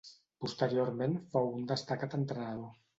Posteriorment fou un destacat entrenador.